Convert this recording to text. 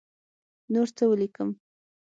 نور څه ولیکم.